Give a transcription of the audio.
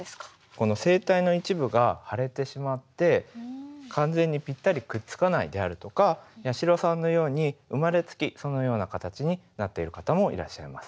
この声帯の一部が腫れてしまって完全にぴったりくっつかないであるとか八代さんのように生まれつきそのような形になっている方もいらっしゃいます。